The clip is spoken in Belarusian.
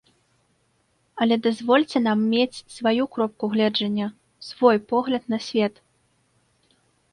Але дазвольце нам мець сваю кропку гледжання, свой погляд на свет.